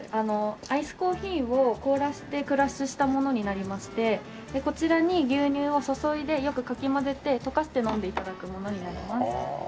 アイスコーヒーを凍らせてクラッシュしたものになりましてこちらに牛乳を注いでよくかき混ぜて溶かして飲んで頂くものになります。